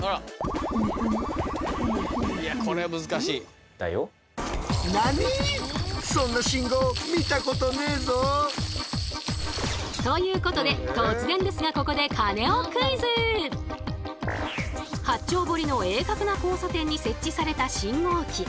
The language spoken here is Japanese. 工夫がすごい。ということで突然ですがここで八丁堀の鋭角な交差点に設置された信号機。